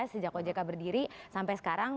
sejak ojk berdiri sampai sekarang